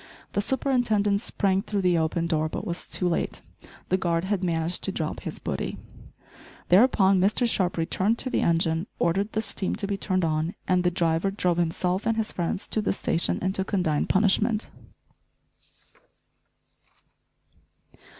The superintendent sprang through the open door, but was too late. The guard had managed to drop his booty. Thereupon Mr Sharp returned to the engine, ordered the steam to be turned on, and the driver drove himself and his friends to the station and to condign punishment.